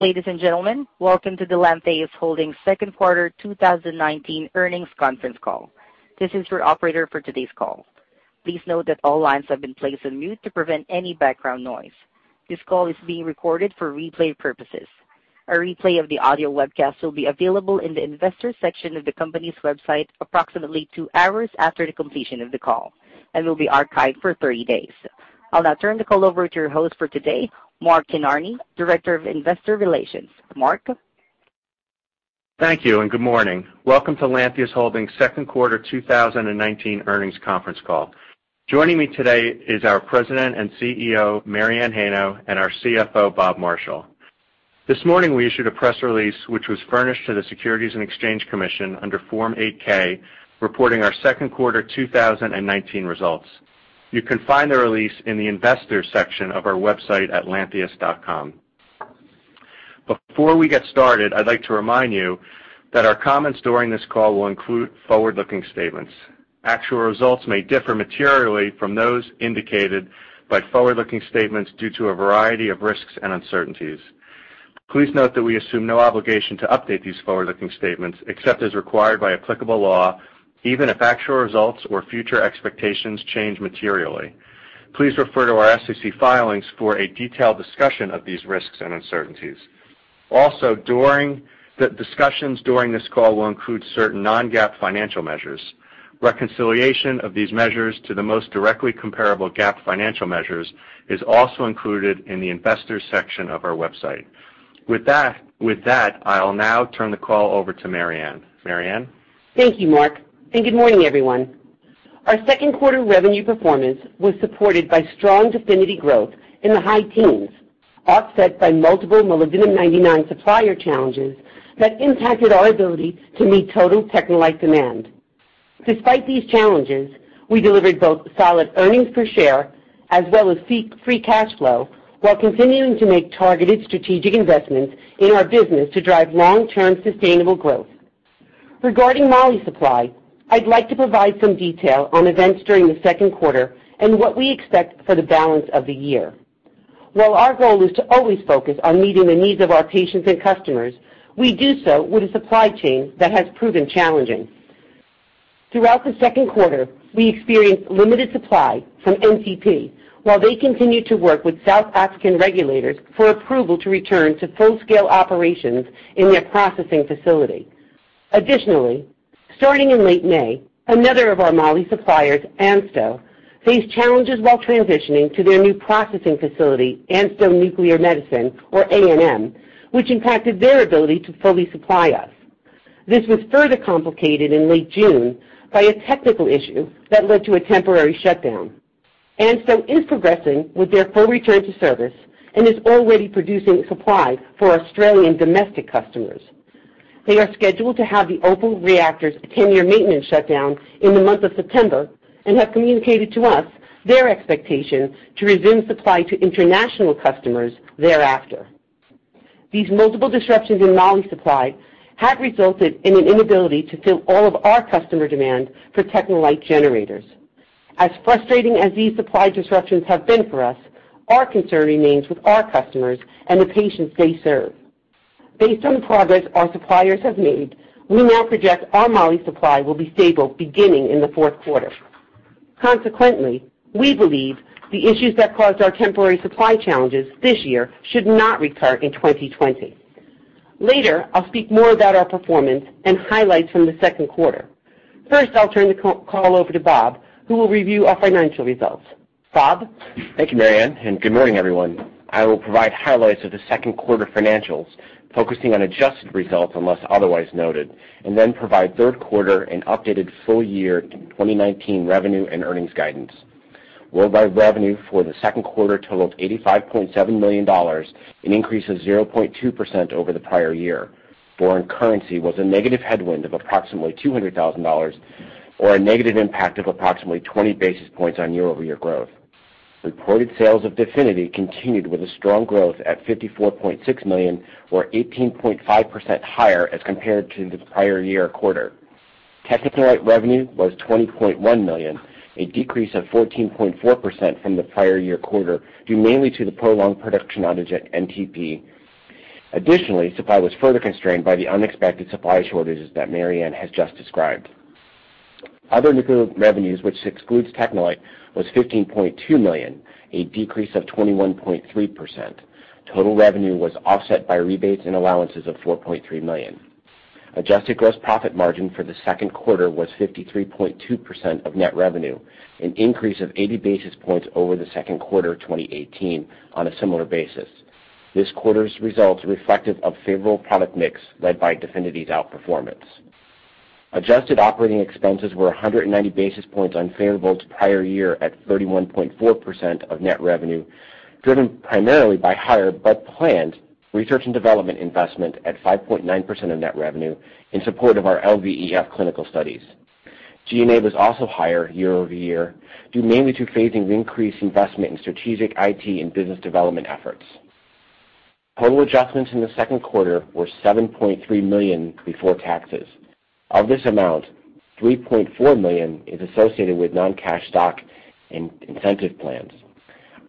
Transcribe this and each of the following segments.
Ladies and gentlemen, welcome to the Lantheus Holdings second quarter 2019 earnings conference call. This is your operator for today's call. Please note that all lines have been placed on mute to prevent any background noise. This call is being recorded for replay purposes. A replay of the audio webcast will be available in the Investors section of the company's website approximately two hours after the completion of the call and will be archived for 30 days. I'll now turn the call over to your host for today, Mark Kinarney, Director of Investor Relations. Mark? Thank you. Good morning. Welcome to Lantheus Holdings' second quarter 2019 earnings conference call. Joining me today is our President and CEO, Mary Anne Heino, and our CFO, Bob Marshall. This morning, we issued a press release, which was furnished to the Securities and Exchange Commission under Form 8-K, reporting our second quarter 2019 results. You can find the release in the Investors section of our website at lantheus.com. Before we get started, I'd like to remind you that our comments during this call will include forward-looking statements. Actual results may differ materially from those indicated by forward-looking statements due to a variety of risks and uncertainties. Please note that we assume no obligation to update these forward-looking statements, except as required by applicable law, even if actual results or future expectations change materially. Please refer to our SEC filings for a detailed discussion of these risks and uncertainties. Also, the discussions during this call will include certain non-GAAP financial measures. Reconciliation of these measures to the most directly comparable GAAP financial measures is also included in the Investors section of our website. With that, I'll now turn the call over to Mary Anne. Mary Anne? Thank you, Mark, and good morning, everyone. Our second quarter revenue performance was supported by strong DEFINITY growth in the high teens, offset by multiple molybdenum-99 supplier challenges that impacted our ability to meet total TechneLite demand. Despite these challenges, we delivered both solid earnings per share as well as free cash flow while continuing to make targeted strategic investments in our business to drive long-term sustainable growth. Regarding moly supply, I'd like to provide some detail on events during the second quarter and what we expect for the balance of the year. While our goal is to always focus on meeting the needs of our patients and customers, we do so with a supply chain that has proven challenging. Throughout the second quarter, we experienced limited supply from NTP, while they continued to work with South African regulators for approval to return to full-scale operations in their processing facility. Additionally, starting in late May, another of our moly suppliers, ANSTO, faced challenges while transitioning to their new processing facility, ANSTO Nuclear Medicine, or ANM, which impacted their ability to fully supply us. This was further complicated in late June by a technical issue that led to a temporary shutdown. ANSTO is progressing with their full return to service and is already producing supply for Australian domestic customers. They are scheduled to have the OPAL reactor's 10-year maintenance shutdown in the month of September and have communicated to us their expectation to resume supply to international customers thereafter. These multiple disruptions in moly supply have resulted in an inability to fill all of our customer demand for TechneLite generators. As frustrating as these supply disruptions have been for us, our concern remains with our customers and the patients they serve. Based on the progress our suppliers have made, we now project our moly supply will be stable beginning in the fourth quarter. Consequently, we believe the issues that caused our temporary supply challenges this year should not recur in 2020. Later, I'll speak more about our performance and highlights from the second quarter. First, I'll turn the call over to Bob, who will review our financial results. Bob? Thank you, Mary Anne, and good morning, everyone. I will provide highlights of the second quarter financials, focusing on adjusted results unless otherwise noted, and then provide third quarter and updated full-year 2019 revenue and earnings guidance. Worldwide revenue for the second quarter totaled $85.7 million, an increase of 0.2% over the prior year. Foreign currency was a negative headwind of approximately $200,000, or a negative impact of approximately 20 basis points on year-over-year growth. Reported sales of DEFINITY continued with a strong growth at $54.6 million or 18.5% higher as compared to the prior year quarter. TechneLite revenue was $20.1 million, a decrease of 14.4% from the prior year quarter, due mainly to the prolonged production outage at NTP. Additionally, supply was further constrained by the unexpected supply shortages that Mary Anne has just described. Other nuclear revenues, which excludes TechneLite, was $15.2 million, a decrease of 21.3%. Total revenue was offset by rebates and allowances of $4.3 million. Adjusted gross profit margin for the second quarter was 53.2% of net revenue, an increase of 80 basis points over the second quarter of 2018 on a similar basis. This quarter's results are reflective of favorable product mix led by DEFINITY's outperformance. Adjusted operating expenses were 190 basis points unfavorable to prior year at 31.4% of net revenue, driven primarily by higher, but planned, research and development investment at 5.9% of net revenue in support of our LVEF clinical studies. G&A was also higher year-over-year, due mainly to phasing increased investment in strategic IT and business development efforts. Total adjustments in the second quarter were $7.3 million before taxes. Of this amount, $3.4 million is associated with non-cash stock and incentive plans.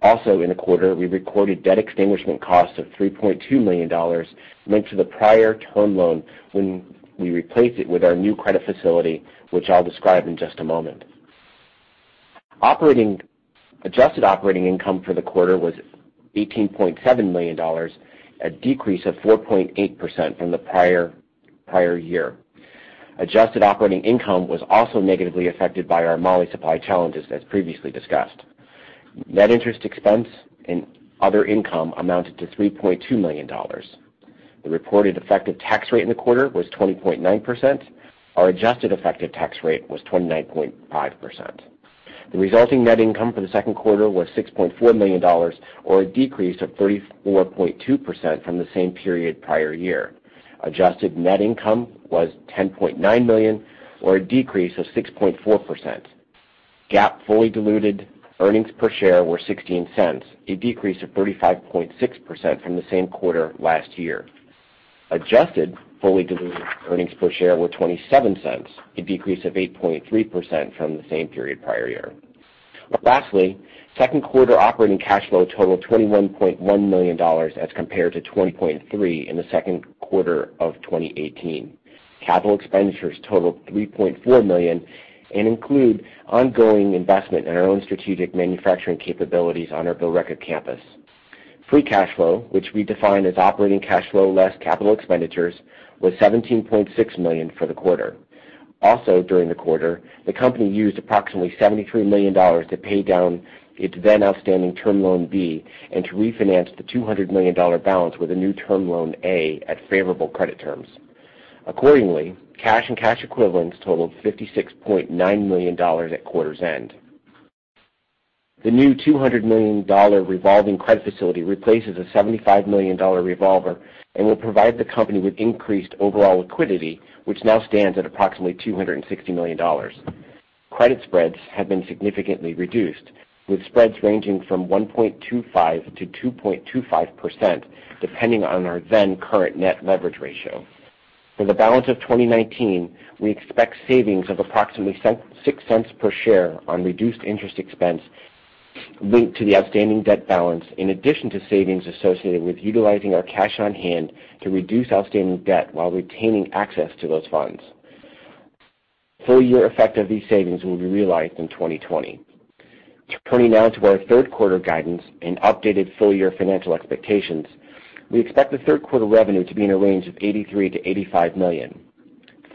Also in the quarter, we recorded debt extinguishment costs of $3.2 million linked to the prior term loan when we replaced it with our new credit facility, which I'll describe in just a moment. Adjusted operating income for the quarter was $18.7 million, a decrease of 4.8% from the prior year. Adjusted operating income was also negatively affected by our moly supply challenges, as previously discussed. Net interest expense and other income amounted to $3.2 million. The reported effective tax rate in the quarter was 20.9%. Our adjusted effective tax rate was 29.5%. The resulting net income for the second quarter was $6.4 million, or a decrease of 34.2% from the same period prior year. Adjusted net income was $10.9 million, or a decrease of 6.4%. GAAP fully diluted earnings per share were $0.16, a decrease of 35.6% from the same quarter last year. Adjusted fully-diluted earnings per share were $0.27, a decrease of 8.3% from the same period prior year. Lastly, second quarter operating cash flow totaled $21.1 million as compared to $20.3 million in the second quarter of 2018. Capital expenditures totaled $3.4 million and include ongoing investment in our own strategic manufacturing capabilities on our Billerica campus. Free cash flow, which we define as operating cash flow less capital expenditures, was $17.6 million for the quarter. Also during the quarter, the company used approximately $73 million to pay down its then outstanding term loan B and to refinance the $200 million balance with a new term loan A at favorable credit terms. Accordingly, cash and cash equivalents totaled $56.9 million at quarter's end. The new $200 million revolving credit facility replaces a $75 million revolver and will provide the company with increased overall liquidity, which now stands at approximately $260 million. Credit spreads have been significantly reduced, with spreads ranging from 1.25%-2.25%, depending on our then current net leverage ratio. For the balance of 2019, we expect savings of approximately $0.06 per share on reduced interest expense linked to the outstanding debt balance, in addition to savings associated with utilizing our cash on hand to reduce outstanding debt while retaining access to those funds. Full year effect of these savings will be realized in 2020. Turning now to our third quarter guidance and updated full year financial expectations, we expect the third quarter revenue to be in a range of $83 million-$85 million.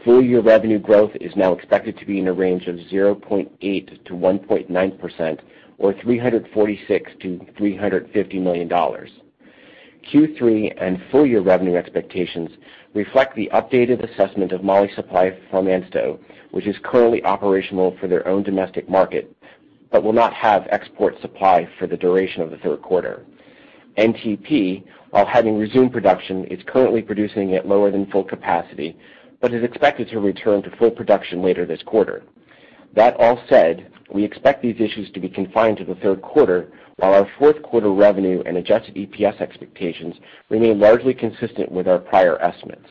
Full year revenue growth is now expected to be in a range of 0.8% to 1.9%, or $346 to $350 million. Q3 and full year revenue expectations reflect the updated assessment of moly supply from ANSTO, which is currently operational for their own domestic market, but will not have export supply for the duration of the third quarter. NTP, while having resumed production, is currently producing at lower than full capacity, but is expected to return to full production later this quarter. All said, we expect these issues to be confined to the third quarter, while our fourth quarter revenue and adjusted EPS expectations remain largely consistent with our prior estimates.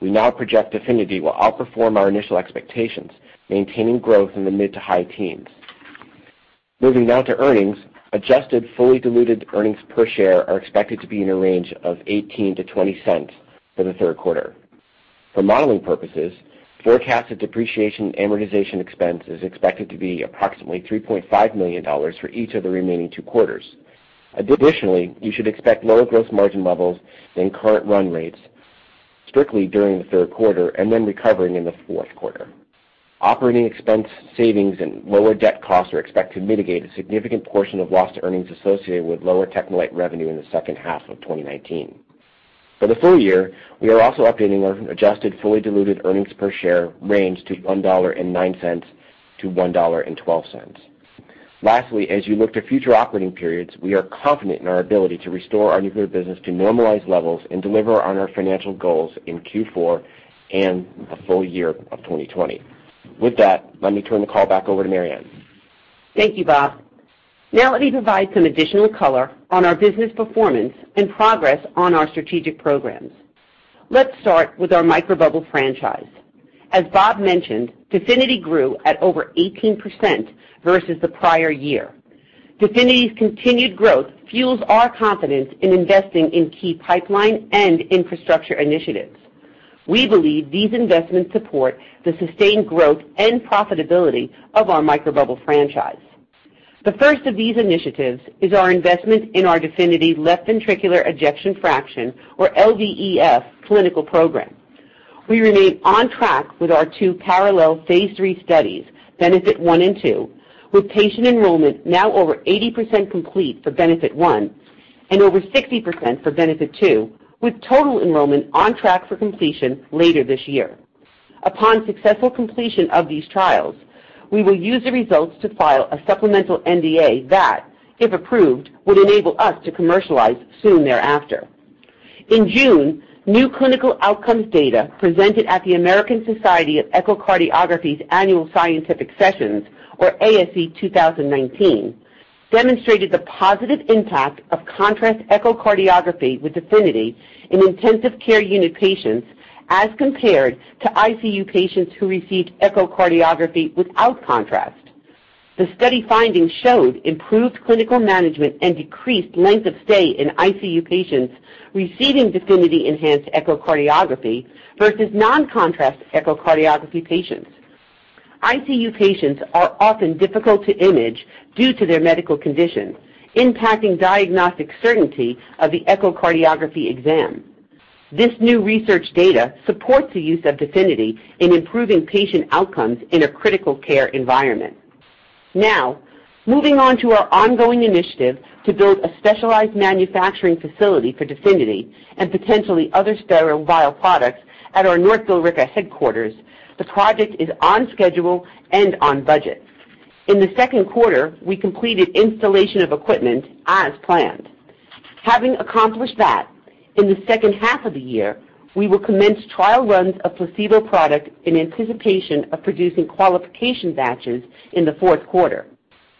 We now project DEFINITY will outperform our initial expectations, maintaining growth in the mid to high teens. Moving now to earnings, adjusted fully diluted earnings per share are expected to be in a range of $0.18-$0.20 for the third quarter. For modeling purposes, forecasted depreciation amortization expense is expected to be approximately $3.5 million for each of the remaining two quarters. You should expect lower gross margin levels than current run rates strictly during the third quarter and then recovering in the fourth quarter. Operating expense savings and lower debt costs are expected to mitigate a significant portion of lost earnings associated with lower TechneLite revenue in the second half of 2019. For the full year, we are also updating our adjusted fully diluted earnings per share range to $1.09-$1.12. Lastly, as you look to future operating periods, we are confident in our ability to restore our nuclear business to normalized levels and deliver on our financial goals in Q4 and the full year of 2020. With that, let me turn the call back over to Mary Anne. Thank you, Bob. Now let me provide some additional color on our business performance and progress on our strategic programs. Let's start with our microbubble franchise. As Bob mentioned, DEFINITY grew at over 18% versus the prior year. DEFINITY's continued growth fuels our confidence in investing in key pipeline and infrastructure initiatives. We believe these investments support the sustained growth and profitability of our microbubble franchise. The first of these initiatives is our investment in our DEFINITY left ventricular ejection fraction, or LVEF, clinical program. We remain on track with our two parallel phase III studies, BENEFIT 1 and 2, with patient enrollment now over 80% complete for BENEFIT 1 and over 60% for BENEFIT 2, with total enrollment on track for completion later this year. Upon successful completion of these trials, we will use the results to file a supplemental NDA that, if approved, would enable us to commercialize soon thereafter. In June, new clinical outcomes data presented at the American Society of Echocardiography's Annual Scientific Sessions, or ASE 2019, demonstrated the positive impact of contrast echocardiography with DEFINITY in intensive care unit patients as compared to ICU patients who received echocardiography without contrast. The study findings showed improved clinical management and decreased length of stay in ICU patients receiving DEFINITY-enhanced echocardiography versus non-contrast echocardiography patients. ICU patients are often difficult to image due to their medical condition, impacting diagnostic certainty of the echocardiography exam. This new research data supports the use of DEFINITY in improving patient outcomes in a critical care environment. Moving on to our ongoing initiative to build a specialized manufacturing facility for DEFINITY and potentially other sterile vial products at our North Billerica headquarters. The project is on schedule and on budget. In the second quarter, we completed installation of equipment as planned. Having accomplished that, in the second half of the year, we will commence trial runs of placebo product in anticipation of producing qualification batches in the fourth quarter.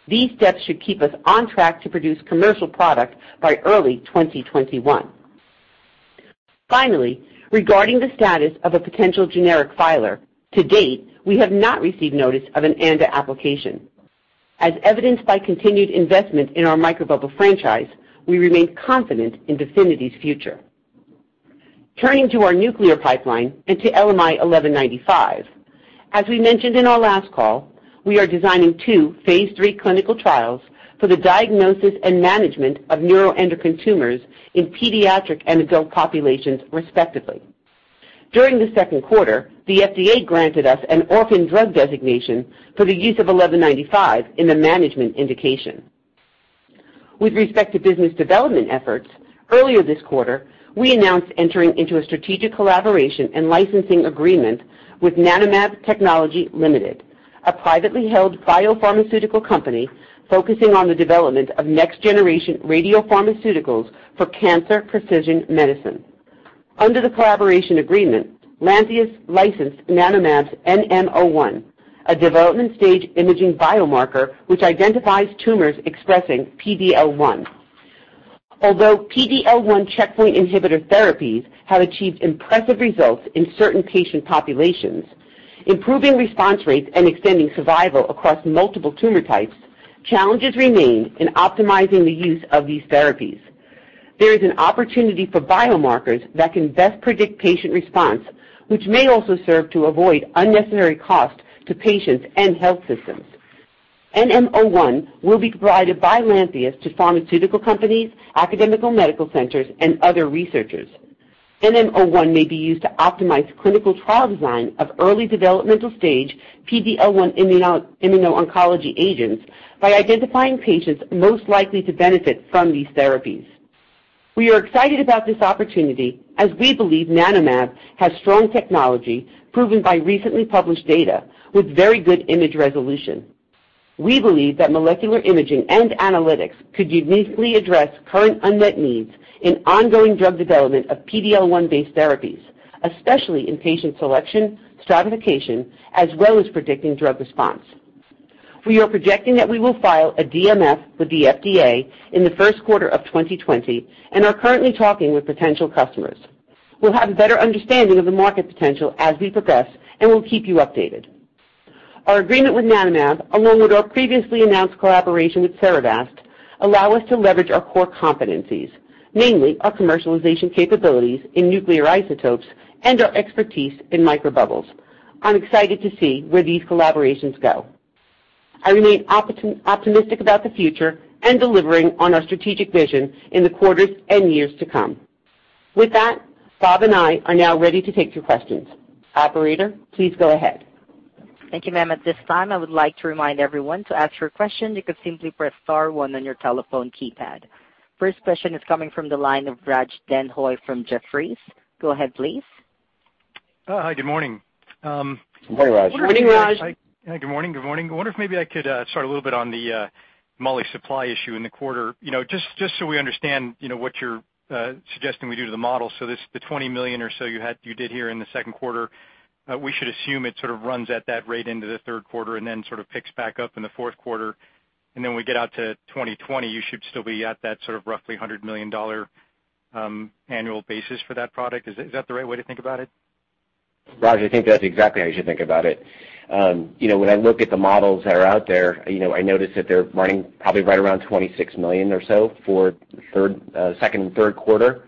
These steps should keep us on track to produce commercial product by early 2021. Regarding the status of a potential generic filer, to date, we have not received notice of an ANDA application. As evidenced by continued investment in our microbubble franchise, we remain confident in DEFINITY's future. Turning to our nuclear pipeline and to LMI 1195. As we mentioned in our last call, we are designing two phase III clinical trials for the diagnosis and management of neuroendocrine tumors in pediatric and adult populations, respectively. During the second quarter, the FDA granted us an orphan drug designation for the use of 1195 in the management indication. With respect to business development efforts, earlier this quarter, we announced entering into a strategic collaboration and licensing agreement with NanoMab Technology Limited, a privately held biopharmaceutical company focusing on the development of next generation radiopharmaceuticals for cancer precision medicine. Under the collaboration agreement, Lantheus licensed NanoMab's NM-01, a development stage imaging biomarker which identifies tumors expressing PD-L1. Although PD-L1 checkpoint inhibitor therapies have achieved impressive results in certain patient populations, improving response rates and extending survival across multiple tumor types, challenges remain in optimizing the use of these therapies. There is an opportunity for biomarkers that can best predict patient response, which may also serve to avoid unnecessary cost to patients and health systems. NM-01 will be provided by Lantheus to pharmaceutical companies, academic medical centers, and other researchers. NM-01 may be used to optimize clinical trial design of early developmental stage PD-L1 immuno-oncology agents by identifying patients most likely to benefit from these therapies. We are excited about this opportunity as we believe NanoMab has strong technology proven by recently published data with very good image resolution. We believe that molecular imaging and analytics could uniquely address current unmet needs in ongoing drug development of PD-L1-based therapies, especially in patient selection, stratification, as well as predicting drug response. We are projecting that we will file a DMF with the FDA in the first quarter of 2020 and are currently talking with potential customers. We'll have a better understanding of the market potential as we progress, and we'll keep you updated. Our agreement with NanoMab, along with our previously announced collaboration with Cerevast, allow us to leverage our core competencies, namely our commercialization capabilities in nuclear isotopes and our expertise in microbubbles. I'm excited to see where these collaborations go. I remain optimistic about the future and delivering on our strategic vision in the quarters and years to come. With that, Bob and I are now ready to take your questions. Operator, please go ahead. Thank you, ma'am. At this time, I would like to remind everyone, to ask your question, you can simply press star one on your telephone keypad. First question is coming from the line of Raj Denhoy from Jefferies. Go ahead, please. Hi, good morning. Good morning, Raj. Morning, Raj. Hi, good morning. I wonder if maybe I could start a little bit on the moly supply issue in the quarter. Just so we understand what you're suggesting we do to the model. The $20 million or so you did here in the second quarter, we should assume it sort of runs at that rate into the third quarter and then sort of picks back up in the fourth quarter, and then we get out to 2020, you should still be at that sort of roughly $100 million annual basis for that product. Is that the right way to think about it? Raj, I think that's exactly how you should think about it. When I look at the models that are out there, I notice that they're running probably right around $26 million or so for second and third quarter.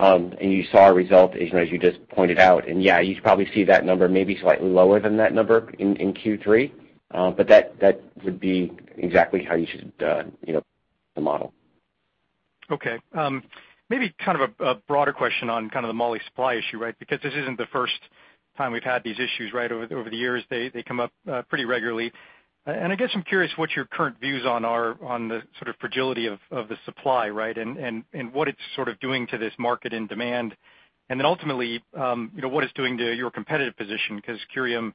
You saw our result, as you just pointed out. Yeah, you should probably see that number maybe slightly lower than that number in Q3. That would be exactly how you should then model. Okay. Maybe kind of a broader question on the moly supply issue, right? This isn't the first time we've had these issues, right? I guess I'm curious what your current views on are on the sort of fragility of the supply, right? What it's sort of doing to this market and demand. Ultimately, what it's doing to your competitive position, because Curium,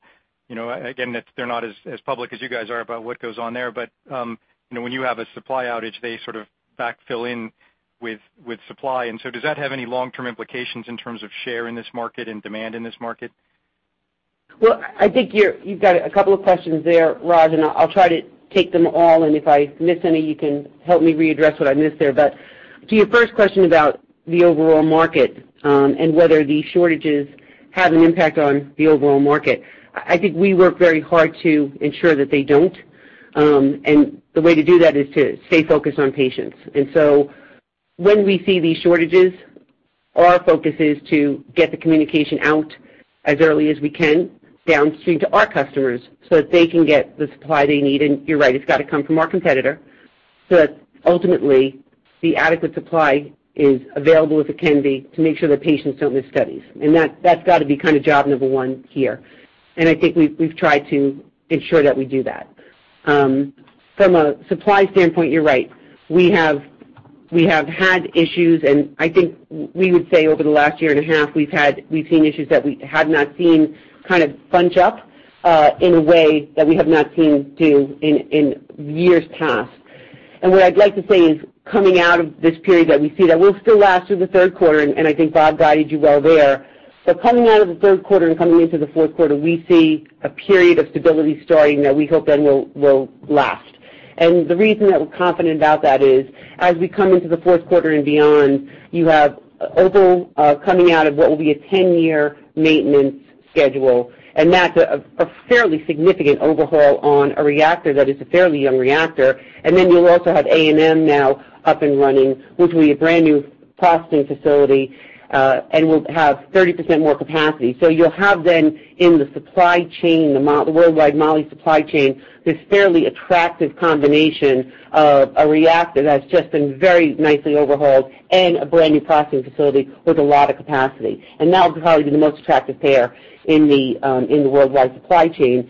again, they're not as public as you guys are about what goes on there. When you have a supply outage, they sort of backfill in with supply. Does that have any long-term implications in terms of share in this market and demand in this market? Well, I think you've got a couple of questions there, Raj, and I'll try to take them all, and if I miss any, you can help me readdress what I missed there. To your first question about the overall market, and whether these shortages have an impact on the overall market. I think we work very hard to ensure that they don't, and the way to do that is to stay focused on patients. When we see these shortages, our focus is to get the communication out as early as we can downstream to our customers so that they can get the supply they need. You're right, it's got to come from our competitor so that ultimately the adequate supply is available if it can be, to make sure that patients don't miss studies. That's got to be job number one here, and I think we've tried to ensure that we do that. From a supply standpoint, you're right. We have had issues, and I think we would say over the last one and a half, we've seen issues that we had not seen bunch up in a way that we have not seen do in years past. What I'd like to say is coming out of this period that we see that will still last through the third quarter, and I think Bob guided you well there. Coming out of the third quarter and coming into the fourth quarter, we see a period of stability starting that we hope then will last. The reason that we're confident about that is as we come into the fourth quarter and beyond, you have overall coming out of what will be a 10-year maintenance schedule, and that's a fairly significant overhaul on a reactor that is a fairly young reactor. Then you'll also have ANM now up and running, which will be a brand-new processing facility, and we'll have 30% more capacity. You'll have then in the worldwide moly supply chain, this fairly attractive combination of a reactor that's just been very nicely overhauled and a brand-new processing facility with a lot of capacity. That will probably be the most attractive pair in the worldwide supply chain.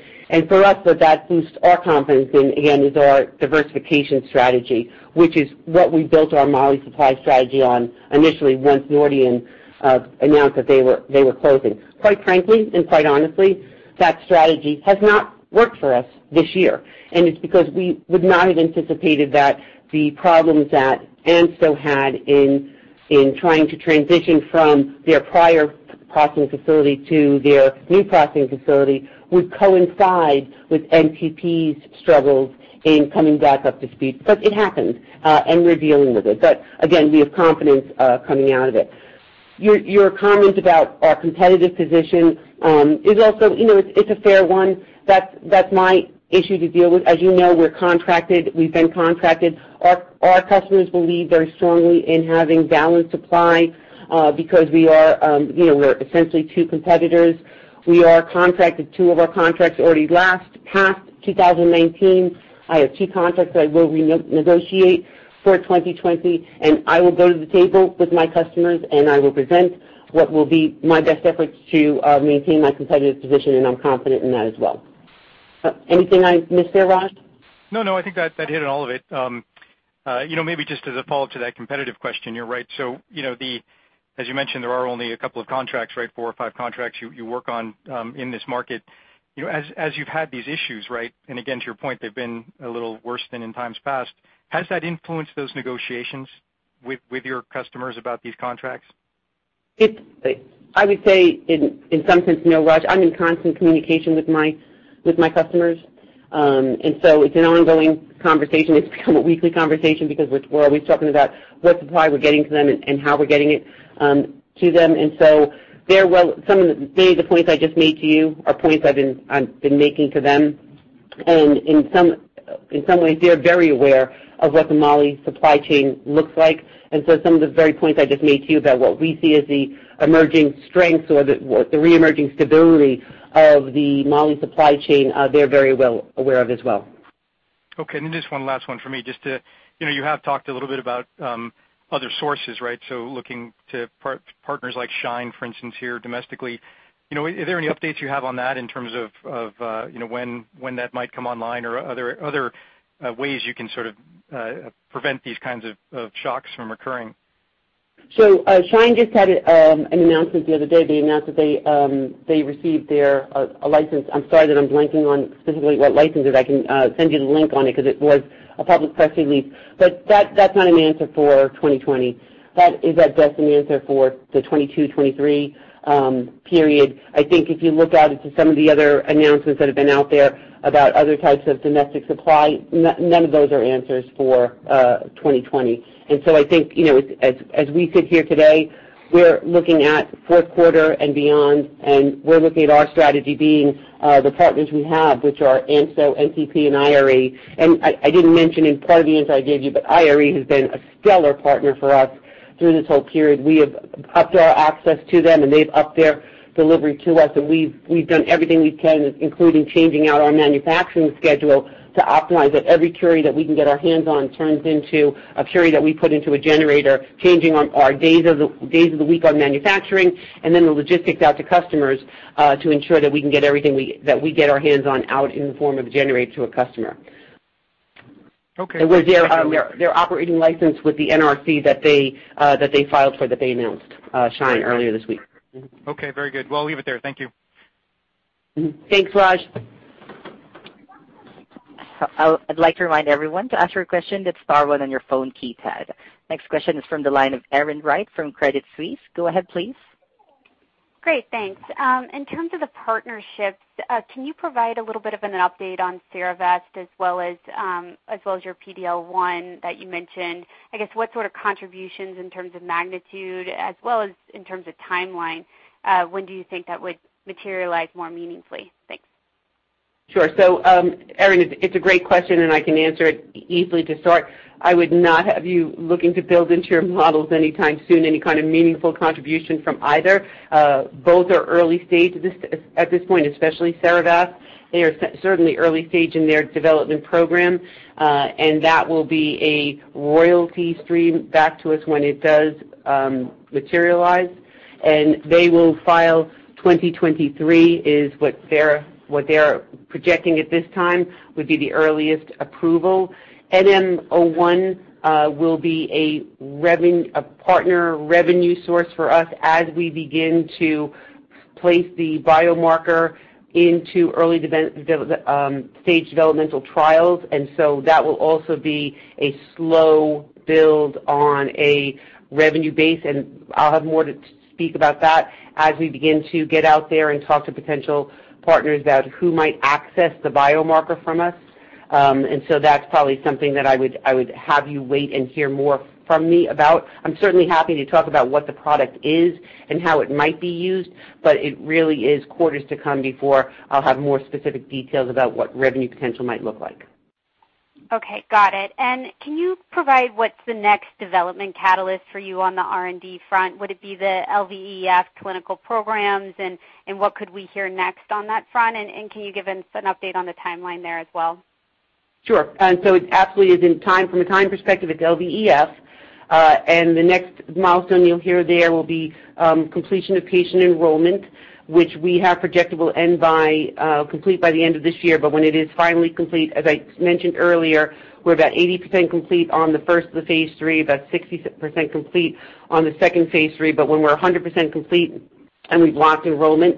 For us, that boosts our confidence in, again, is our diversification strategy, which is what we built our moly supply strategy on initially once Nordion announced that they were closing. Quite frankly and quite honestly, that strategy has not worked for us this year, and it's because we would not have anticipated that the problems that ANSTO had in trying to transition from their prior processing facility to their new processing facility would coincide with NTP's struggles in coming back up to speed. It happened, and we're dealing with it. Again, we have confidence coming out of it. Your comment about our competitive position is also a fair one. That's my issue to deal with. As you know, we're contracted. We've been contracted. Our customers believe very strongly in having balanced supply, because we're essentially two competitors. We are contracted, two of our contracts already last past 2019. I have two contracts that I will renegotiate for 2020, and I will go to the table with my customers, and I will present what will be my best efforts to maintain my competitive position, and I'm confident in that as well. Anything I missed there, Raj? No, I think that hit on all of it. Maybe just as a follow-up to that competitive question, you're right. As you mentioned, there are only a couple of contracts, right? Four or five contracts you work on in this market. As you've had these issues, again, to your point, they've been a little worse than in times past. Has that influenced those negotiations with your customers about these contracts? I would say in some sense, no, Raj. I'm in constant communication with my customers. It's an ongoing conversation. It's become a weekly conversation because we're always talking about what supply we're getting to them and how we're getting it to them. Many of the points I just made to you are points I've been making to them. In some ways, they're very aware of what the moly supply chain looks like. Some of the very points I just made to you about what we see as the emerging strengths or the re-emerging stability of the moly supply chain, they're very well aware of as well. Okay. Just one last one for me. You have talked a little bit about other sources. Looking to partners like SHINE, for instance, here domestically. Are there any updates you have on that in terms of when that might come online or are there other ways you can sort of prevent these kinds of shocks from occurring? SHINE just had an announcement the other day. They announced that they received their license. I'm sorry that I'm blanking on specifically what license it is. I can send you the link on it because it was a public press release. That's not an answer for 2020. That is at best an answer for the 2022, 2023 period. I think if you look out into some of the other announcements that have been out there about other types of domestic supply, none of those are answers for 2020. I think, as we sit here today, we're looking at fourth quarter and beyond, and we're looking at our strategy being the partners we have, which are ANSTO, NTP, and IRE. I didn't mention in part of the answer I gave you, but IRE has been a stellar partner for us through this whole period. We have upped our access to them. They've upped their delivery to us. We've done everything we can, including changing out our manufacturing schedule to optimize it. Every curie that we can get our hands on turns into a curie that we put into a generator, changing our days of the week on manufacturing. The logistics out to customers to ensure that we can get everything that we get our hands on out in the form of a generator to a customer. Okay. It was their operating license with the NRC that they filed for, that they announced, SHINE, earlier this week. Okay. Very good. Well, I'll leave it there. Thank you. Thanks, Raj. I'd like to remind everyone, to ask your question, hit star one on your phone keypad. Next question is from the line of Erin Wright from Credit Suisse. Go ahead, please. Great, thanks. In terms of the partnerships, can you provide a little bit of an update on Cerevast as well as your PD-L1 that you mentioned? I guess what sort of contributions in terms of magnitude as well as in terms of timeline? When do you think that would materialize more meaningfully? Thanks. Sure. Erin, it's a great question, and I can answer it easily to start. I would not have you looking to build into your models anytime soon, any kind of meaningful contribution from either. Both are early stage at this point, especially Ceravave. They are certainly early stage in their development program. That will be a royalty stream back to us when it does materialize. They will file, 2023 is what they are projecting at this time, would be the earliest approval. NM-01 will be a partner revenue source for us as we begin to place the biomarker into early stage developmental trials. That will also be a slow build on a revenue base, and I'll have more to speak about that as we begin to get out there and talk to potential partners about who might access the biomarker from us. That's probably something that I would have you wait and hear more from me about. I'm certainly happy to talk about what the product is and how it might be used, but it really is quarters to come before I'll have more specific details about what revenue potential might look like. Okay. Got it. Can you provide what's the next development catalyst for you on the R&D front? Would it be the LVEF clinical programs, and what could we hear next on that front? Can you give us an update on the timeline there as well? Sure. So it absolutely is, from a time perspective, it's LVEF. The next milestone you'll hear there will be completion of patient enrollment, which we have projected will complete by the end of this year. When it is finally complete, as I mentioned earlier, we're about 80% complete on the first of the phase III, about 60% complete on the second phase III, but when we're 100% complete and we've locked enrollment,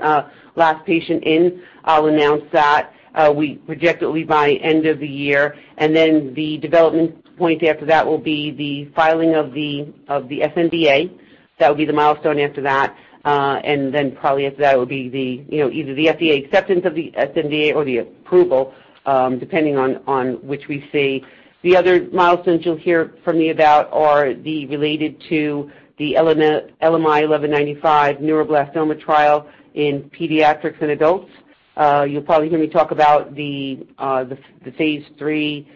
last patient in, I'll announce that. We project it will be by end of the year. Then the development point after that will be the filing of the sNDA. That would be the milestone after that. Then probably after that would be either the FDA acceptance of the sNDA or the approval, depending on which we see. The other milestones you'll hear from me about are related to the LMI-1195 neuroblastoma trial in pediatrics and adults. You'll probably hear me talk about the phase III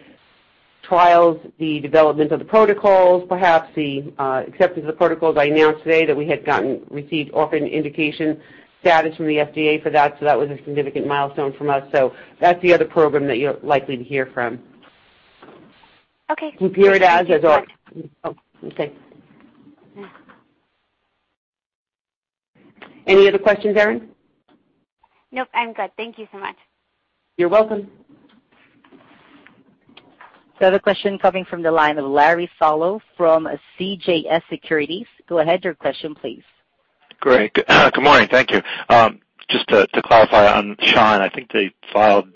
trials, the development of the protocols, perhaps the acceptance of the protocols. I announced today that we had received orphan indication status from the FDA for that. That was a significant milestone from us. That's the other program that you're likely to hear from. Okay. Oh, okay. Any other questions, Erin? Nope, I'm good. Thank you so much. You're welcome. The question coming from the line of Larry Solow from CJS Securities. Go ahead with your question, please. Great. Good morning. Thank you. Just to clarify on SHINE, I think they filed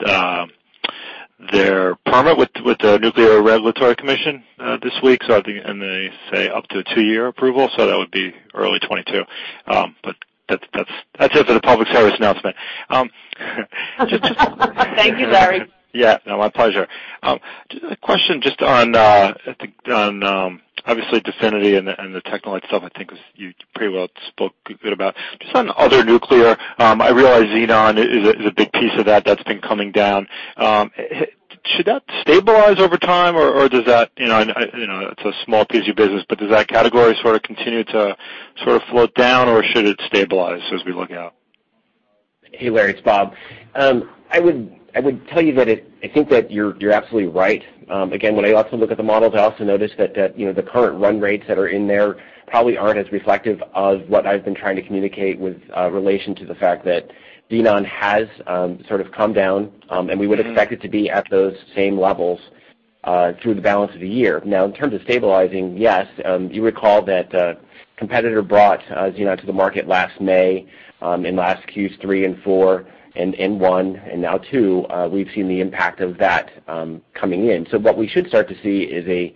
their permit with the Nuclear Regulatory Commission this week, and they say up to a two-year approval, so that would be early 2022. That's it for the public service announcement. Thank you, Larry. Yeah, no, my pleasure. A question just on, obviously, DEFINITY and the TechneLite stuff, I think you pretty well spoke good about. Just on other nuclear, I realize Xenon is a big piece of that that's been coming down. Should that stabilize over time, or It's a small piece of your business, but does that category sort of continue to sort of float down, or should it stabilize as we look out? Hey, Larry, it's Bob. I would tell you that I think that you're absolutely right. Again, when I also look at the models, I also notice that the current run rates that are in there probably aren't as reflective of what I've been trying to communicate with relation to the fact that Xenon has sort of come down, and we would expect it to be at those same levels through the balance of the year. Now, in terms of stabilizing, yes. You recall that a competitor brought Xenon to the market last May, in last Q3 and 4, and in 1 and now 2, we've seen the impact of that coming in. What we should start to see is a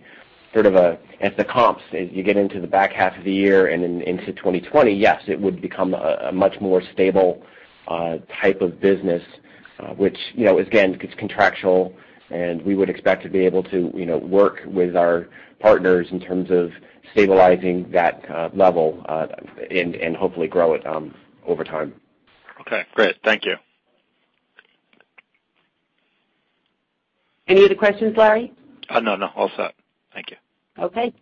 sort of as the comps, as you get into the back half of the year and into 2020, yes, it would become a much more stable type of business, which again, it's contractual, and we would expect to be able to work with our partners in terms of stabilizing that level, and hopefully grow it over time. Okay, great. Thank you. Any other questions, Larry? No, all set. Thank you. Okay.